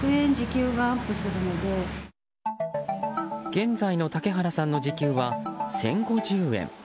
現在の竹原さんの時給は１０５０円。